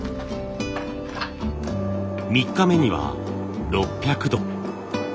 ３日目には６００度。